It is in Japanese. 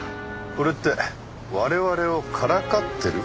これって我々をからかってる？